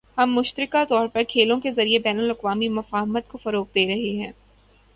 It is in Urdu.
ہم مشترکہ طور پر کھیلوں کے ذریعے بین الاقوامی مفاہمت کو فروغ دے رہے ہیں